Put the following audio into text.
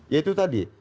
ya itu tadi